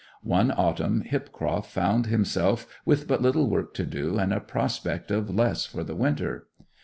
One autumn Hipcroft found himself with but little work to do, and a prospect of less for the winter.